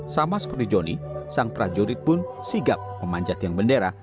sama seperti johnny sang prajurit pun sigap memanjat yang bendera